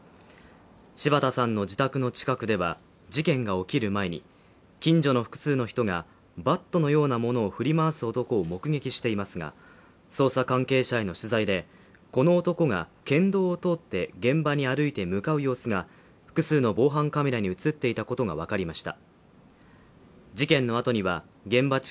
柴田さんの自宅の近くでは、事件が起きる前に近所の複数の人がバットのようなものを振り回す男を目撃していますが捜査関係者への取材で、この男が県道を通って現場に歩いて向かう様子が複数の防犯カメラに映っていたことが分かりました。